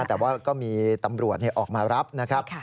แต่ว่าก็มีตำรวจออกมารับนะครับ